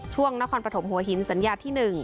ช่วงนครปฐมหัวหินสัญญาที่๑